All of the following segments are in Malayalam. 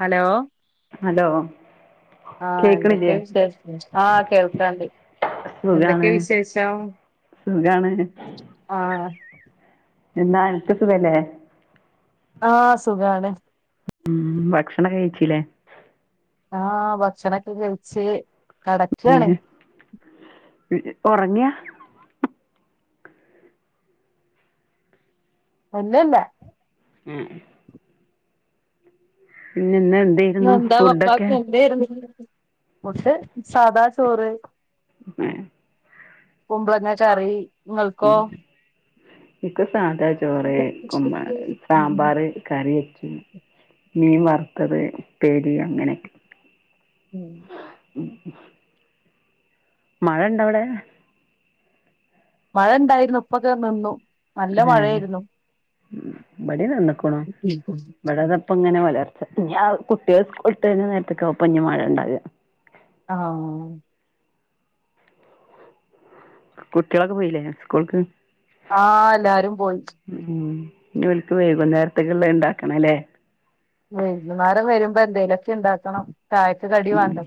ഹലോ ഹലോ ആഹ എന്തൊക്കെ കേക്കണില്ലേ വിശേഷം ആഹ കേൾക്കണ്ടേ സുഖാണ് എന്തൊക്കെ വിശേഷം സുഖാണ് ആഹ എന്നാ അനക് സുഖല്ലേ ആഹ സുഖാണ് ഉം ഭക്ഷണം കഴിച്ചില്ലേ ആഹ ഭക്ഷണൊക്കെ കഴിച്ചു കടക്കാണ് ഉറങ്ങിയ ഒന്നല്ല ആഹ ഇന്ന് എന്തായിരുന്നു ഫുഡൊക്കെ ഫുഡ്‌ സാധാ ചോറ് ആഹ കുമ്പളങ്ങ കറി ആ ഇങ്ങൾക്കോ ഇപ്പൊ സാധാ ചോറ് ഉം സാമ്പാർ കറി വെച്ചു മീൻ വറുതത് അത് അങനെ മഴ ഇണ്ട അവിടെ മഴ ഉണ്ടായിരുന്നു ഇപ്പൊ ദെ നിന്നു നല്ല മഴയായിരുന്നു ഇവിടെ നിന്നകാണു വടതപ്പ ഇങ്ങനെ വ കുട്ടികെ സ്ട്ടഴിഞ്ഞ നേരത്തക്ക മഴ ഉണ്ടാകാ ആഹ കുട്ടികളൊക്കെ പോയില്ലേ സ്കൂൾക്ക് ആഹ എല്ലാരും പോയി ഉം ഇനി വിലക്ക് വൈകുന്നേരത്തക്കള്ള ഉണ്ടാക്കണ അല്ലേ വെയ്ക്കുനേരം വരുമ്പോ എന്തേലൊക്കെ ഉണ്ടാക്കണം ചായക് കടി ഉം വേണ്ട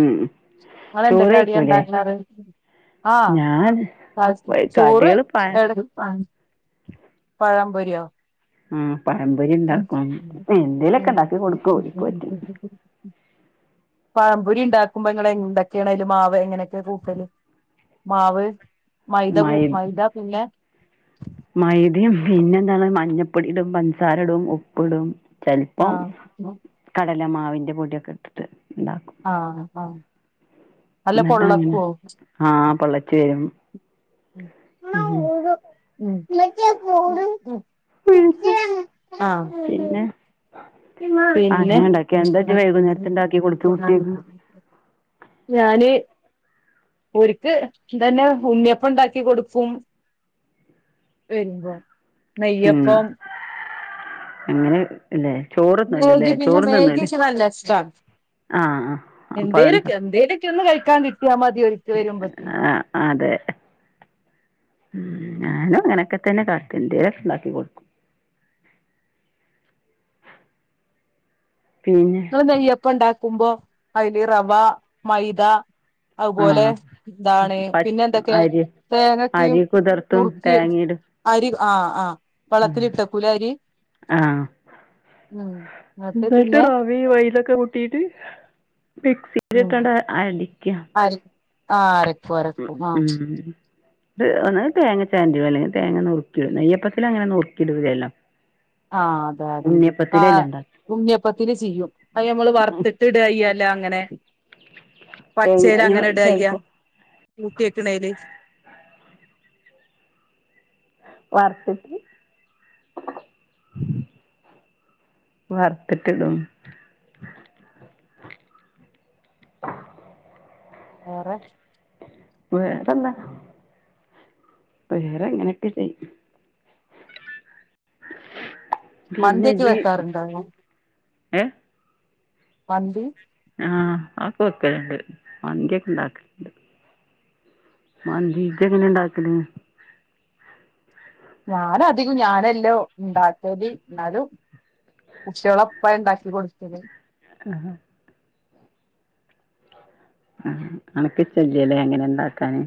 ഉം നിങ്ങൾ ചോറ് എന്തക്കെ കടിയ കഴിക്കൂലേ ഉണ്ടാക്കാറ് ഞാൻ കടികള് പ പഴംപൊരിയാ ഉം പഴംപൊരി ഉണ്ടാക്കും എന്തേലൊക്കെ ഇണ്ടാക്കി കൊടുക്കും പഴംപൊരി ഉണ്ടാക്കുമ്പോ ഇങ്ങൾ എന്തൊക്കെയാണ് അയിൽ മാവ് എങ്ങനെക്കെ കൂട്ടല് മാവ് മൈദ കുട്ടു മൈദ പിന്നെ മൈദ്യം പിന്നെ എന്താണ് മഞ്ഞപ്പൊടിടും പഞ്ചസാര ഉപ്പിടും ചിലപ്പം ആഹ് കട മാവിൻന്റെ പൊടിയൊക്കെ ഇടുട്ട് ഉണ്ടാകും ആ ആ എന്നിട്ടാ അങ്ങനെ ആഹ പൊള്ളച്ചു വരും ഉ ഉമ്മച്ചിഅ ഫോണും പിന്നെ പിന്നെ അങ്ങനെ ഇണ്ടാക്കി എന്താ ഇജ്ജ് വൈകുന്നേരത്ത് ഇണ്ടാക്കി കൊടുത്ത് കുട്ടിയേക്ക് ഞാന് ഓര്ക് ഇതന്നെ ഉണ്ണിയപ്പം ഉണ്ടാക്കി കൊടുക്കും വരുമ്പോ ഉം നെയ്യപ്പം അങ്ങനെ [unintelligible] ല്ലേ മാഗി പിന്നെ മാഗി നല്ല ഇഷ്ട ആഹ് ആഹ് അപ്പൊ അതുകൊണ്ട് എന്തേലൊക്കെ എന്തേലൊക്കെ ഒന്ന് കഴിക്ക ക്കാൻ കി കിട്ടിയാ മതി ഓര്ക് വരുമ്പോത്തിന് ആഹ് അതെ ഉം ഞാനും അങ്ങനെയൊക്കെ തന്നെ കാട്ടല് എന്തേലും ഉണ്ടാക്കി കൊടുക്കും പിന്നെ തോ നെയ്യപ്പം ഉണ്ട ക്കുമ്പോ അതിൽ റവ മൈദ അതുപോലെ ആഹ് ഇന്താണ് പ പിന്നെ എന്തൊക്കെയാ അരി തേങ്ങക്കിം അരി കുതിർത്തും നൂർക്കി തേങ്ങയിടും അരി ആ ആ ഉം വളത്തിൽ ഇട്ടക്കും ലെ അരി ആഹ് ഉം എന്നിട്ട് പിന്നെ മൈദക്കെ കൂട്ടിട്ട് മിക്സിൽ ഇട്ടിട്ട് അടി അരി ആ അരക് ഉം ഉം ഒന്ന് തേങ്ങ ചേര്ന്റിടും അല്ലങ്കിൽ തേങ്ങ നൂർകിടും നെയ്യപ്പത്തിലങ്ങനെ നുർക്കി ഇടൂലല്ലോ ആ അതെ അതെ ആ ഉണ്ടാക്ക ഉണ്ണിയപ്പത്തില് ചെയ്യും അത് നമ്മള് വറുത്തിട്ട് ഇട ചെയ്യല അങ്ങനെ തേങ്ങ പച്ചയില ഞാൻ അങ്ങനെ ഇട്യാ ചെയ്യാ ചെലപ്പോ കൂട്ടി വക്കണേല് വർത്തിട്ട് വർത്തിട്ടിടും വേറെ വേറെന്താ വേറെങ്ങനെയൊക്കെ ചെയ്യും പിന്നെ മന്തിക്ക് ജി വെക്കാറുണ്ടോ ഏ മന്തി ആ അതൊക്കെ വെക്കലുണ്ട് മന്തിയൊക്കെ ഉണ്ടാക്കലുണ്ട് മന്തി ക്കെ എങ്ങനെ ഇണ്ടാക്കല് ഞാനാ അധികം ഞാനെല്ലോ ഉണ്ടാക്കല് എന്നാലും കുട്ടിള്ളോ ഉപ്പാ ഉണ്ടാക്കി കൊടുക്കല് ആ അനക് ഇഷ്ട്ടല്ല്യല്ലേ അങ്ങനെ ഇണ്ടാകാന്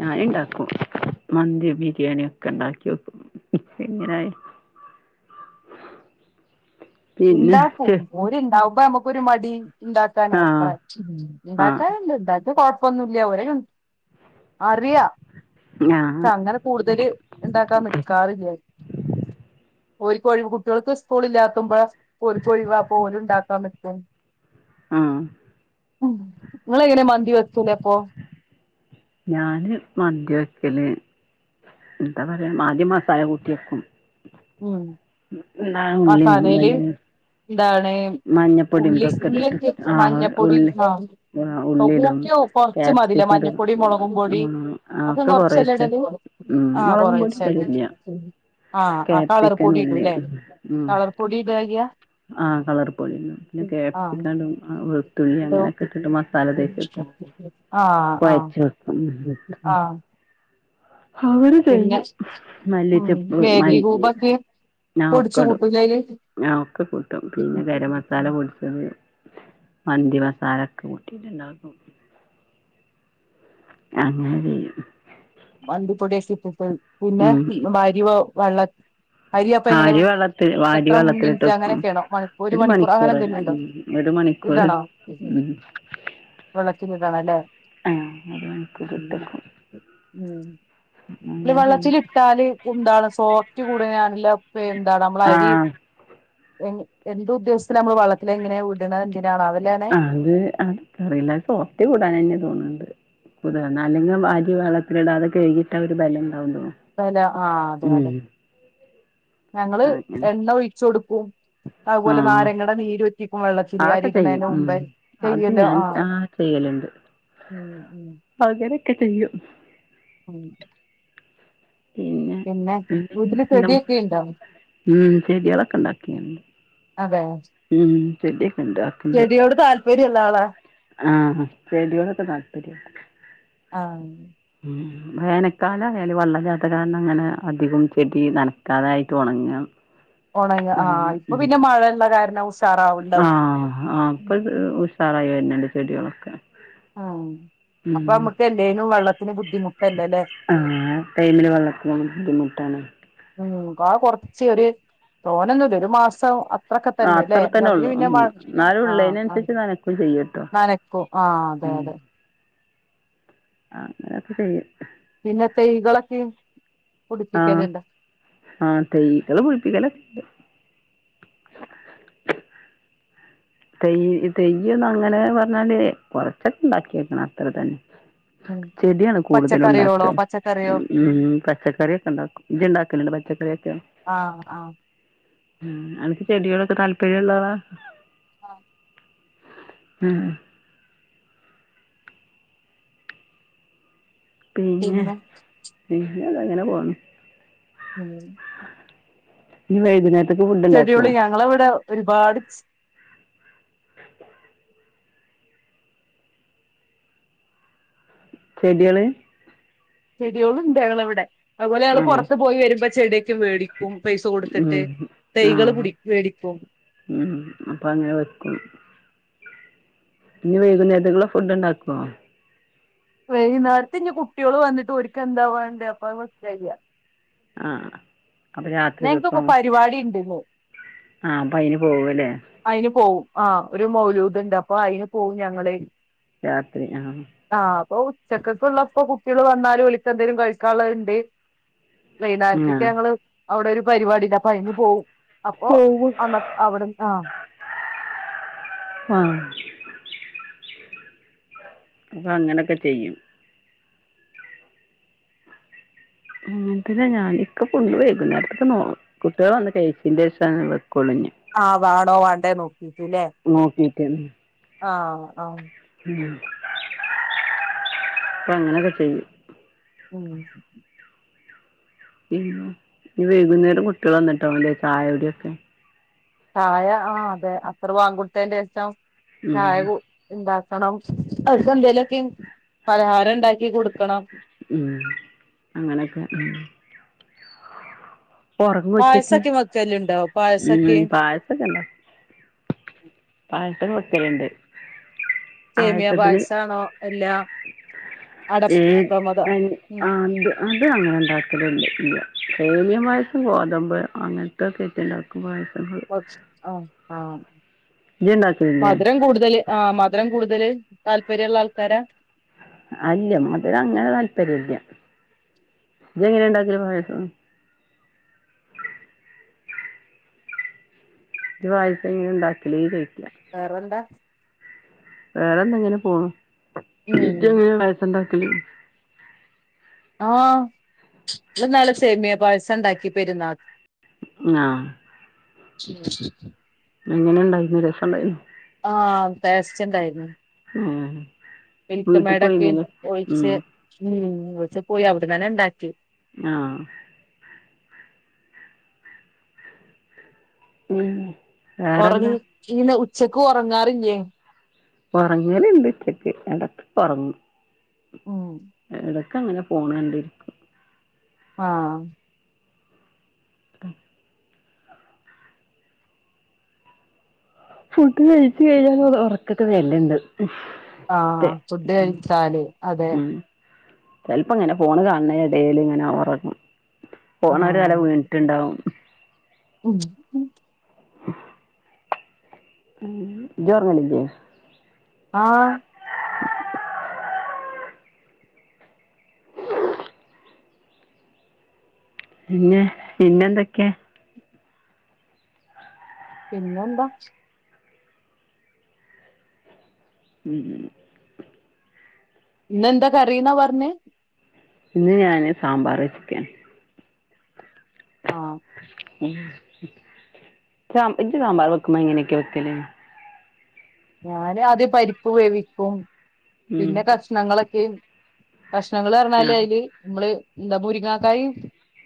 ഞാൻ ഇണ്ടാക്കും മന്തി ബിരിയാണി ഒക്കെ ഇണ്ടാക്കി നോക്കും ഇപ്പോ ഇങ്ങനെ ആയി ഉണ്ടാക്കും ഓര് ഇണ്ടാവും മ്പോ നമുക്കൊരു മടി ഇണ്ടാക്കാന് ആ അത്ര ഉം ആ ഇണ്ടാക്കാന്ണ്ട് ഇണ്ടക്കിയാ കൊഴ ഇപ്പാെന്നുല്ല്യ ഒരേ [unintelligible] അറിയാ ഞാൻ ച്ചങ്ങനെ കൂട്തല് ഇണ്ടാക്കാൻ നിക്കാറ്ല്ല്യ ഓര്കാെഴിവ് കുട്ട്യോൾക്ക് സ്കൂള് ഇല്ലാത്തുമ്പ ഓര്ക്കൊഴിവാ അപ്പോല്ണ്ടാക്കാ ന്ക്കും ആ ഇങ്ങളെങ്ങനെ മന്തി വെക്കൂലേ അപ്പോ ഞാന് മന്തി വെക്കല് എന്താ പറയാ ആദ്യം മസാല കുട്ട്യെക്കും ഉം ന്നാ ഉള്ളിം മസാലേല് പന്നെ എന്താണ് മഞ്ഞപ്പൊടിം ഉള്ളി തൊക്കെ ഇട്ട്ട്ട് ഉള്ളിയൊക്കെ ആഹ് മഞ്ഞപ്പൊടി ഉള്ളി ആ ആ ഉള്ളിടും കൂട്ടിയോ കൊറച്ച് മതില്ലേ ക്യാപ്സിക്കടും മഞ്ഞപ്പൊടി മുളകും പൊടി ഉം ഉം ആഹ് ഒക്കെ ഓക്കെ കൊറച്ചല്ലേ കൊറേച്ചെ ഇടല് ഉം ആ മൊളകുംപൊടി കൊറേച്ചെ ഇടല് ഇല്ല്യാ കേ അവറ് പൊടി ഇടൂലേ കളർ പൊടി ഇടായ്യാ ആ കളർപൊടിടും പിന്നെ ആ ക്യാപ്സിക്കന്ടും ആ വെൾത്തുള്ളി അങ്ങനെക്കെട്ട്ട്ട് മസാല തേച്ചെക്കും ആ ആ കാെയച്ച് വെക്കും ആ അവര് പിന്നെ ചെയ്യും മല്ലിച്ചെപ്പ് മല്ലി [unintelligible] പൊട്ച്ച് കൂട്ടൂലെയ്ല് ആ ഒക്കെ കൂട്ടും പിന്നെ ഗരം മസാല പൊടിച്ചത് മന്തി മസാല ഒക്കെ കൂട്ടിട്ടുണ്ടാകും അങ്ങനെ ചെയ്യും മന്തിപ്പൊടി ഒക്കെ ഇട്ടിട്ട് പിന്നെ ഉം ന [unintelligible] മ്മെ അരി വെ വള്ള ആരി വെള്ളത്തി വാരി വെള്ളത്തിലിട്ടു മിനിറ്റ് വെക്കും അങ്ങനെയൊക്കെയാണോ മണി ഒരു അങ്ങനെ മണിക്കൂർ എന്തെങ്കിലും ഉണ്ടോ ഉം ഒരു മണിക്കൂർ ഇടണോ ഉം വെള്ളത്തിലിടണം അല്ലേ ആ ഒരു മണിക്കൂർ ഇട്ടു ഉം വെക്കും ഉം വെള്ളത്തിട്ടാല് എന്താണ് സോഫ്റ്റ് കൂടുതലാണല്ലോ എന്താണ് നമ്മള് അരി- ആഹ് എ എന്തു ഉദ്ദേശത്തിലാ നമ്മള് വെളത്തില ഇങ്ങനെയാ വിടണേ അത് അന്ക്ക് അറീല അത് സോഫ്റ്റ്‌ കൂടാൻന്നാണ് തോന്നണു ണ്ട് കുതർന്ന അല്ലെങ്കിൽ അരി വെള്ളത്തിലടാതെ കഴുകിട്ട് ഒരു ബലംകിട്ടും എന്താലേ ആ അതെ അതെ ഞങ്ങള് അങ്ങനെ എണ്ണ ഒഴിച്ചു കൊടുക്ക- ഉം അഹ് പോലെ ആഹ് നാരങ്ങടെ നീര് ഒറ്റിക്കും വെള്ളത്തില് അരി അതൊക്കെ ചെയ്യും ഇട്ണേയൻ്റെ ഉം മുമ്പേ അത് ചെയ്യൊല്ലോ ഞാൻ ആഹ് ചെയ്യലുണ്ട് ഉം ഉം ക്കെ ചെയ്യും ഉം. പിന്നെ വീട്ടില് ചെടിയൊക്കെ ഇണ്ടോ ഉം ചെടികളെക്കെ ഉണ്ടാക്കലുണ്ട് അതെ ആക്ക്ണ്ട് ചെടിയോട് താല്പര്യുള്ള ആളാ ആഹ് ചെടിയോടെക്കെ താല്പര്യണ്ട് ആഹ് ഉം വേനക്കാല ആയാലും വേനൽക്കാലയാൽ വെള്ളല്ലാത്ത കാരണം അങ്ങനെ അധികം ചെടി നനക്കാതായിട്ട് ഉണങ്ങാണ് ഉണങ്ങ ആഹ് ഇപ്പൊ പിന്നെ മഴയള്ള കാരണം ഉഷാറാവണ്ടാവും ആഹ് ആഹ് ഇപ്പൊ ഉഷാറായി വര്ന്ണ്ട് ചെടികളൊക്കെ ഉം അപ്പൊ ഉം നമ്മുക്ക് എല്ലേലും വെള്ളത്തിന് ബുദ്ധിമുട്ടല്ലല്ലേ ട്ടാണ് ഉം ആ കുറച്ച് ഒരു തോന്ന ഒന്നും ഇല്ല ഒരു മാസം അത്രൊക്കെ ആ തന്നെല്ലേ അത്ര തന്നെ അതിന് ഉള്ളൂ പിന്നെ ഉം മഴ എന്നാലും ആഹ് ആഹ് ഉള്ളതിനനുസരിച്ച് നനക്കും ചെയ്യട്ടോ നനക്കും ആഹ് അതെ ഉം അതെ ആ അങ്ങനെയൊക്കെ ചെയ്യും പിന്നെ തെയ്കളൊക്കെ ആഹ് ആ തെയ്കൾ പുടിപ്പിക്കലൊക്കെണ്ട് തെയ് തെയ്യ് ന്ന് അങ്ങനെ പറഞ്ഞാല് കൊറച്ചൊക്കെ ഉണ്ടാക്കിക്കണ് അത്ര തന്നെ ഉം ചെടിയാണ് കൂടുതല പച്ചക്കറിയോളോ ഉണ്ടാക്കുക പച്ചക്കറിയോ ഉം പച്ചക്കറിയൊക്കെ ഉണ്ടാക്കും ഇജ്ജ് ഉണ്ടാക്കലുണ്ടോ പച്ചക്ക [unintelligible] ആഹ് ആഹ് ഉം അനക്ക് ചെടികളൊക്കെ താല്പര്യം ഉള്ള ആളാ ആഹ് ഉം പിന്നെ പി പിന്നെത അങ്ങനെ പോണ് ഉം ഇന്ന് വെയ്കുന്നേര ഡ്യൂള് ഞങ്ങള ഇവിടെ ഒരുപാട് ച്ച് ചെടികള് ചെടികളും ഉണ്ട് ങ്ങള ഇവിടെ. അതുപോലെള് ആഹ് പുറത്ത് പോയി വരുമ്പം ചെടൊക്ക് മേടി ഉം ആഹ് പിടി മേടിക്കും ഉം അപ്പൊ അങ്ങനെ വെക്കും. ഇനി വൈകുന്നേരത്തേക്കുള്ള ഫുഡ് ഉണ്ടാക്കോ? വൈകുന്നേരത്ത് ഇഞ്ഞി കുട്ടികള് വന്നിട്ട് ഒരിക്ക എന്താവാണ്ട അപ്പ മസ് ആഹ് അപ്പൊ രാത്രികൊക്കും പരിപാടി ഇണ്ട്ന്ന് ആഹ് അപ്പൊ അയിന് പോവല്ലേ? അയിന് പോവും ആ ഒരു മൗലൂദ് ഉണ്ട് അപ്പൊ അതിന് പോകവും ഞങ്ങള്. രാത്രി ആഹ് ഇപ്പൊ ഉച്ചക്കക്ക് ഇള്ളപ്പോ കുട്ടികൾ വന്നാലും വിളിച്ച് എന്തേങ്കലും കഴിക്കാനുള്ളത് ഇണ്ടേ. ആ വൈന്നാര്ത്ത്ക്ക് ഞങ്ങള് അവിടെ ഒരു പരിപാടിക് അപ്പയിന് പോവും അപ്പൊ അന്നത് അവിടൻ ആ ആഹ് അപ്പൊ അങ്ങനൊക്കെ ചെയ്യും. അങ്ങനെത്തെന്നെ ഞാന് ഇക്ക് ഫുഡ് വൈകുന്നേരത്തെക്ക് നോ കുട്ടികള് വന്ന് കഴിച്ചേൻ്റെ ശേഷാ വെക്കോളു ഇനി ആഹ് വാണോ വേണ്ടേയോ നോക്ക് ക്കിട്ട് ലേ നോക്കിയിട്ട് ആഹ് ആഹ് അപ്പൊ അങ്ങനെയൊക്കെ ചെയ്യും. ഉം പിന്നെ ഇനി വൈകുന്നേരം കുട്ടികള് വന്നിട്ടാവും ല്ലേ ചായ കുടിയൊക്കെ? ചായ ആ അതെ അസറ് ബാങ്ക് കൊടുത്തേന്റെഷം ഉം ചായ കു ഇണ്ടാ ക്കണം അവര്ക്ക് എന്തെലൊക്കെ പലഹാരം ഉണ്ടാക്കി കൊടുക്കണം. ഉം അങ്ങനൊക്കെ ഉം ഉറങ്ങും ഉച്ചക്ക് പായസൊക്കെ വെക്കെല്‌ണ്ടോ പായസൊക്കെ. ഉം പായസൊക്കെ എപ്പേം വെക്കലണ്ട് സേമിയ [unintelligible] പായസാണോ അല്ല ഏ അടപ്രമദം അ ഉം അ അത് അങ്ങനെ ഉണ്ടാക്കലണ്ട് ഇല്ല സേമിയാ പായസം ഗോതമ്പ് അങ്ങനത്തെക്കെ ഇട്ട് ഇണ്ടാക്കും പായ ആ ആ ഇജ്ജ് ഉണ്ടാക്കലില്ലേ മധുരം കൂടുതല് ആ മധുരം കൂടുതല് താല്പര്യള്ള ആൾക്കാരാ. അല്ല മധുരങ്ങനെ താല്പര്യല്ല ഇജങ്ങനെ ഉണ്ടാക്കല് പായസം ഇജ് പായസം എങ്ങനെ ഉണ്ടാക്കല് ചോയ്ക്ക വേറെന്താ വേറെ എന്ത ഇങ്ങനെ പോണു ഉം ഇജ് എങ്ങനെ ഇണ്ടാക്കണ്ടെ ഉം ആഹ് ഇന്നലെ സേമിയ പായസം ഉണ്ടാക്കി പെരുന്നാ ആ എങ്ങനെ ഉണ്ടായിരിന്ന് രസം ഉണ്ടായിരിന്നോ ആഹ് ട്ടേസ്റ്റ്ണ്ടായിരുന്നു മിൽക്ക് വീട്ടിൽ മേടൊക്കെ പോയിരുന്നില്ലേ ഉം. ഒഴിച്ച് ഉം വീട്ടിൽ പോയി അവിടെന്നെന്നെ ഉണ്ടാക്കി ആഹ് ഉം വേറെന്താ ഉറങ്ങി [unintelligible] ഉച ചെക്ക് ഉറങ്ങാറില്ലേ ഉറങ്ങലിണ്ട് ഉച്ചക്ക് ഇടകെക്ക ഉറങ്ങും ഉം എടക്ക് അങ്ങനെ ഫോണ് കണ്ടിരിക്കും ആ ആ ഫുഡ് കഴിച്ച് കഴിഞ്ഞാൽ ഉറക്കൊക്കെ വരലിണ്ട് ആഹ് ഫുഡ് കഴിച്ചാല് അതെ ചെൽപ്പോ ഇങ്ങനെ ഫോണ് കാണണെനെഡെല് ഇങ്ങനെ ഉറങ്ങും ഫോണ് ഒരു കല ആഹ് വീണിട്ടുണ്ടാവും ഉം ഇജ് ഉർങ്ങലിലെ ആ പിന്നെ പിന്നെന്തൊക്കെയാ പിന്നെന്താ ഉം ഉം ഇന്നെന്താ കറീന്ന പറഞ്ഞേ ഇന്ന് ഞാന് സാമ്പാർ വച്ചിക്കാണ് ആ ഇജ് സാമ്പാർ വെക്കുമ്മ എങ്ങനെക്ക വെക്കല് ഞാന് അത് പരിപ്പ് വേവിക്കും ഉം പിന്നെ കഷ്ണങ്ങളൊക്കെയും കഷ്ണങ്ങൾ പറഞ്ഞാല് ആഹ് അതില് നമ്മള് എന്താ മുരിങ്ങാക്കായും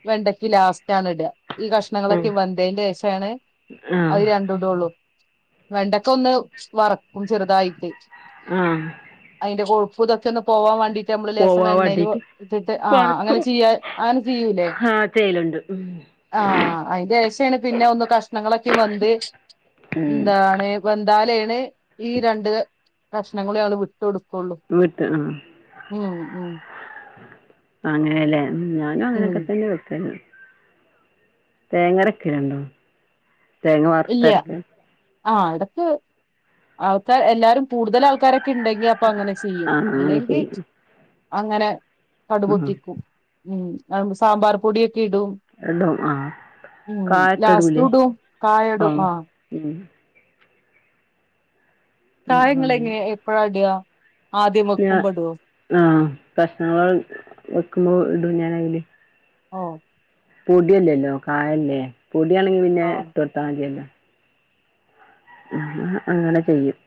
വെണ്ടക്കേം ലാസ്റ്റാണ് ഇട ഈ ഉം കഷ്ണങ്ങളൊക്കെ വെന്തേന്റെഷാണ് ശേഷാണ് അത് ആഹ് രണ്ടും ഇടോള്ളൂ വെണ്ടക്ക ഒന്ന് വറക്കും ചെറുതായിട്ട് ഊം പുതൊക്കൊന്ന് പോവാ വേണ്ടി ഞമ്മള് ലേശം എണ്ണ അയ്ല് ഒ വേണ്ടീട്ട് ഴിച്ചിട്ട് ആ അങ്ങനെ വറക്കും ചെയ്യ അങ്ങനെ ചെയ്യൂല്ലേ ആഹ് ചെയ്യലുണ്ട് ഉം ആ അയിന്റേഷാണ് പിന്നെ ഒന്ന് കഷണങ്ങളൊക്കെ വന്ത് ഉം എന്താണ് വ നാല് ദേ ഈ രണ്ട് പ്രശ്നങ്ങളേ ആള് വി കൊടുക്കൊള്ളൂ വീട്ട് ആഹ് ഉം ഉം അങ്ങനെയല്ലേ ഞാനും ഉം അങ്ങനെയൊക്കെ തന്നെ വെക്കണ് തേങ്ങരക്കലുണ്ടോ തേങ്ങ ഇല്ല വറത്തരക്കണ് ആ ഇതൊക്കെ അൾക്കാ എല്ലാരും കൂടുതൽ ആൾക്കാരെ ഇണ്ടെങ്കി അപ്പൊ അങ്ങനെ ചെയ്യും ആഹ് അങ്ങനെ ഇല്ലെങ്കി ചെയ്യും അങ്ങനെ ആഹ് കടുപൊട്ടിക്കും ഉം അ [unintelligible] സാമ്പാർ പൊടി എന്തോ ആ കായക്കിടൂല്ലേ ആ ഇടും ആ ഉം ഉം കായ ഇങ്ങള് അങ്ങനെ എങ്ങനെ എപ്പഴാ ഇടുക ആദ്യം വക്കുമ്പടോ കഷ്ണങ്ങൾ വെക്കുമ്പോ ഇടും ഞാനതില് ഓ പൊടിയല്ലല്ലോ കായല്ലേ പൊടിയാണെങ്കിൽ പിന്നെ ആഹ് തൊട്ടാ മതിയല്ലാ ആ അങ്ങനെ ചെയ്യും